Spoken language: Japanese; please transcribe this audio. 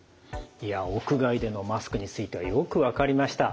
いや屋外でのマスクについてはよく分かりました。